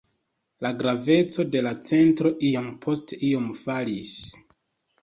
La graveco de la centro iom post iom falis.